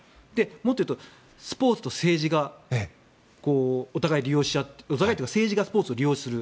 もっと言うとスポーツと政治がお互い利用し合うお互いというか政治がスポーツを利用する。